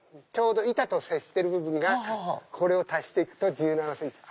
板と接してる部分がこれを足して行くと１７ｃｍ。